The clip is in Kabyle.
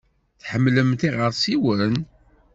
Tḥemmlemt iɣersiwen?